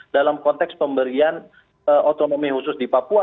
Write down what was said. dalam konteks pemberian otonomi khusus di papua